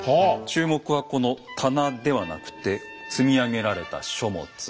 注目はこの棚ではなくて積み上げられた書物。